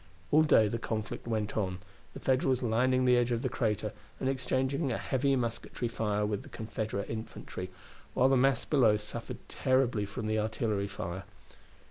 All day the conflict went on, the Federals lining the edge of the crater, and exchanging a heavy musketry fire with the Confederate infantry, while the mass below suffered terribly from the artillery fire.